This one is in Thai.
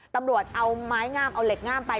ตำรวจเอาไม้งามเอาเหล็กงามไป